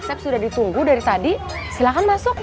pak sep sudah ditunggu dari tadi silahkan masuk